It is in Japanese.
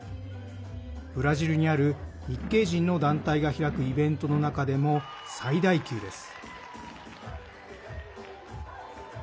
ブラジルにある日系人の団体が開くイベントの中でも最大級です。